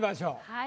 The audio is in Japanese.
はい。